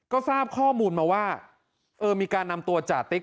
ก็ทราบข้อมูลมาว่าเออมีการนำตัวจ่าติ๊ก